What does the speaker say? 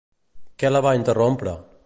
Què la va interrompre?